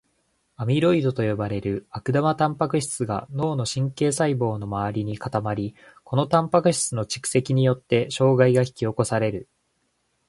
アミロイドと呼ばれる悪玉タンパク質が脳の神経細胞の周りに固まり、このタンパク質の蓄積によって障害が引き起こされる。